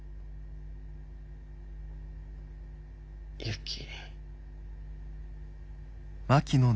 ユキ。